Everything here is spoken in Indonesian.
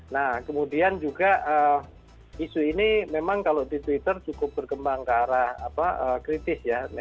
nah kemudian juga isu ini memang kalau di twitter cukup berkembang ke arah kritis ya